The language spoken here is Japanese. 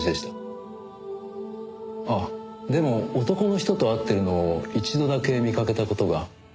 ああでも男の人と会っているのを一度だけ見かけた事が。